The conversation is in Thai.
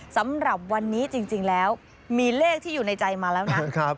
สำหรับวันนี้จริงแล้วมีเลขที่อยู่ในใจมาแล้วนะ